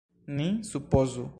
Ni supozu!